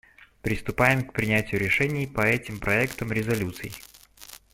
Приступаем к принятию решений по этим проектам резолюций.